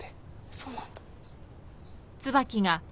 そうなんだ。